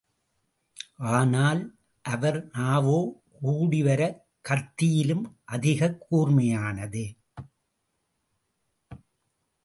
ஆனால் அவர் நாவோ கூடிவரக் கத்தியிலும் அதிகக் கூர்மையானது.